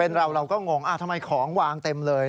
เป็นเราเราก็งงทำไมของวางเต็มเลย